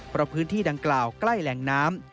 เพราะพื้นที่ดังกล่าวใกล้แหล่งน้ำ